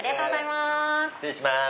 失礼します。